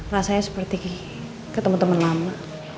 rasanya seperti ketemu temen lama